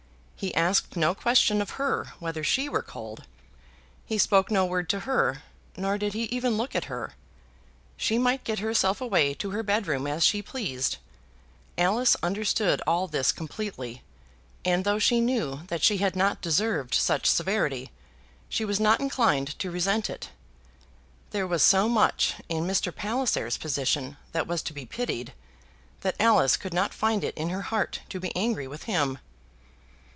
He asked no question of her whether she were cold. He spoke no word to her, nor did he even look at her. She might get herself away to her bedroom as she pleased. Alice understood all this completely, and though she knew that she had not deserved such severity, she was not inclined to resent it. There was so much in Mr. Palliser's position that was to be pitied, that Alice could not find it in her heart to be angry with him.